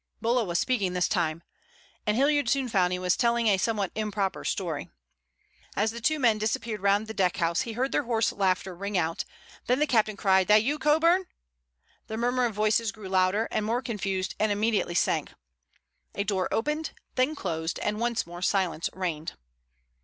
Bulla was speaking this time, and Hilliard soon found he was telling a somewhat improper story. As the two men disappeared round the deckhouse he heard their hoarse laughter ring out. Then the captain cried: "That you, Coburn?" The murmur of voices grew louder and more confused and immediately sank. A door opened, then closed, and once more silence reigned.